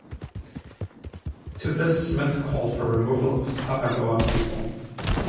To this Smith called for removal of the Papago people.